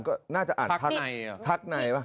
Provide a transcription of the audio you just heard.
ก็น่าจะอ่านทักในมีทักในเปล่า